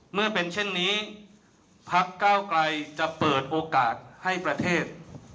เมื่อเป็นเช่นนี้พักเก้าไกลจะเปิดโอกาสให้ประเทศ